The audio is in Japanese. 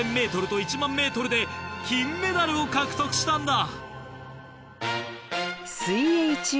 ５０００ｍと１００００ｍで金メダルを獲得したんだ。